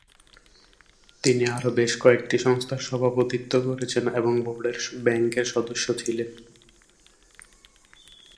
তিনি আরও বেশ কয়েকটি সংস্থার সভাপতিত্ব করেছেন এবং বোর্ডের ব্যাংকের সদস্য ছিলেন।